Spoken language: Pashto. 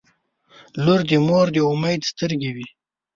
• لور د مور د امید سترګې وي.